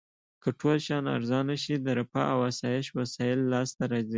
که ټول شیان ارزانه شي د رفاه او اسایش وسایل لاس ته راځي.